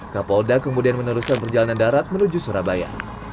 kapolda kemudian meneruskan perjalanan darat menuju surabaya